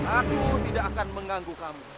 aku tidak akan mengganggu